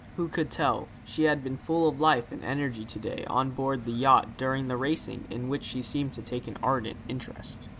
Who could tell? She had been full of life and energy to day on board the yacht during the racing, in which she seemed to take an ardent interest.